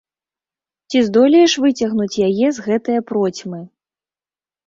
Ці здолееш выцягнуць яе з гэтае процьмы?